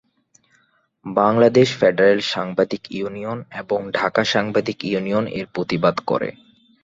Bangladesh federal সাংবাদিক union এবং ঢাকা সাংবাদিক ইউনিয়ন এর প্রতিবাদ করে।